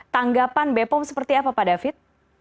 tanggapan bepom seperti apa pak david